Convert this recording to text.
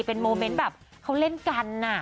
เป็นโมเมนต์แบบเขาเล่นกัน